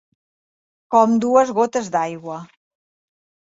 Com dues gotes d'aigua